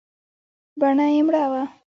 بڼه يې مړه وه .